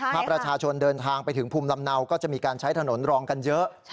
ถ้าประชาชนเดินทางไปถึงภูมิลำเนาก็จะมีการใช้ถนนรองกันเยอะ